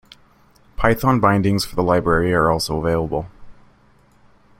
Python bindings for the library are also available.